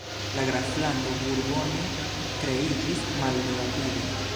La graflando Burgonjo kreiĝis malrapide.